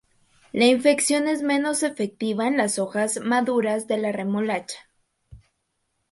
La infección es menos efectiva en las hojas maduras de la remolacha.